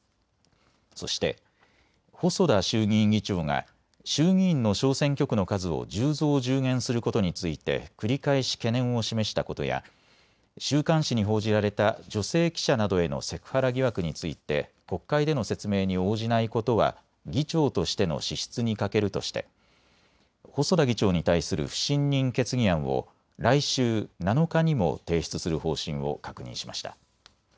そして、細田衆議院議長が衆議院の小選挙区の数を１０増１０減することについて繰り返し懸念を示したことや週刊誌に報じられた女性記者などへのセクハラ疑惑について国会での説明に応じないことは議長としての資質に欠けるとして細田議長に対する不信任決議案を来週７日にも提出する方針を確認しました。